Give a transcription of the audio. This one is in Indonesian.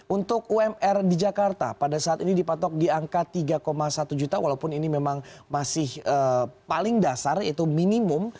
untuk umr di jakarta pada saat ini dipatok di angka tiga satu juta walaupun ini memang masih paling dasar yaitu minimum